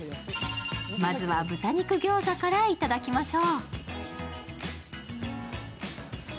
まずは豚肉餃子からいただきましょう。